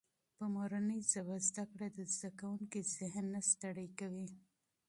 په مورنۍ ژبه زده کړه د زده کوونکي ذهن نه ستړی کوي.